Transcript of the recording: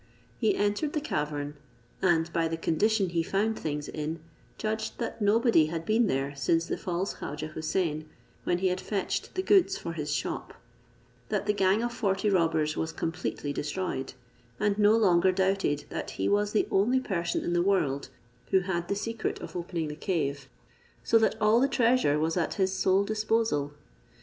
He entered the cavern, and by the condition he found things in, judged that nobody had been there since the false Khaujeh Houssain, when he had fetched the goods for his shop, that the gang of forty robbers was completely destroyed, and no longer doubted that he was the only person in the world who had the secret of opening the cave, so that all the treasure was at his sole disposal.